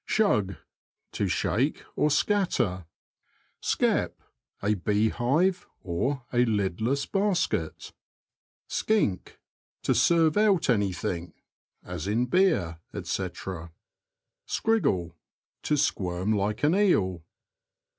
Shug. — To shake or scatter. Skep. — A beehive, a lidless basket. Skink. — To serve out anything; as beer, &c. Skriggle. — To squirm like an eel.